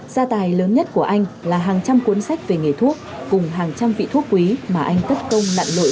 gia tài lớn nhất của anh là hàng trăm cuốn sách về nghề thuốc cùng hàng trăm vị thuốc quý mà anh tất công nạn nội